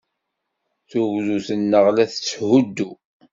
Tugdut-nneɣ la tetthuddu.